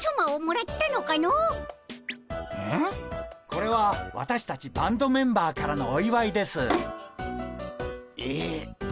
これは私たちバンドメンバーからのおいわいです。え。